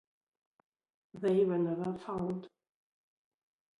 They were never found.